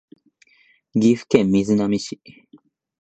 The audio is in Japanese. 岐阜県瑞浪市